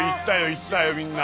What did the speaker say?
行ったよみんな。